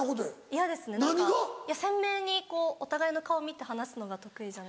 鮮明にこうお互いの顔見て話すのが得意じゃない。